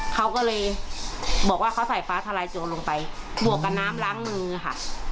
เขาก็เลยบอกว่าเขาใส่ฟ้าทลายโจรลงไปบวกกับน้ำล้างมือค่ะ